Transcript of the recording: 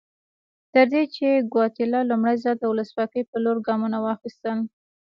تر دې چې ګواتیلا لومړی ځل د ولسواکۍ په لور ګامونه واخیستل.